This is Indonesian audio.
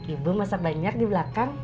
ibu masak banyak di belakang